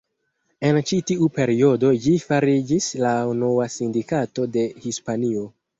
En ĉi tiu periodo ĝi fariĝis la unua sindikato de Hispanio.